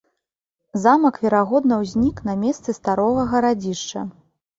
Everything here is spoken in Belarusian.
Замак верагодна ўзнік на месцы старога гарадзішча.